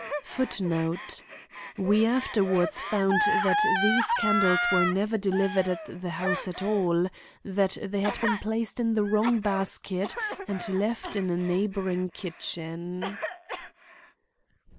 We afterwards found that these candles were never delivered at the house at all; that they had been placed in the wrong basket and left in a neighboring kitchen.